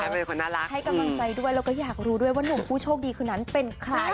เป็นคนน่ารักให้กำลังใจด้วยแล้วก็อยากรู้ด้วยว่านุ่มผู้โชคดีคนนั้นเป็นใคร